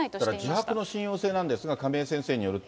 自白の信用性なんですが、亀井先生によると。